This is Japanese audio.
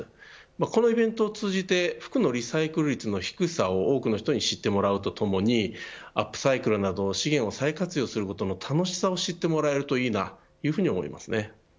このイベントを通じて服のリサイクル率の低さを多くの人に知ってもらうとともにアップサイクルなど、資源を再活用することの楽しさを知ってもらえるといいなと思います。